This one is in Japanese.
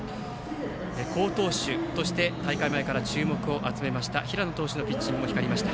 好投手として大会前から注目を集めました平野投手のピッチングも光りました。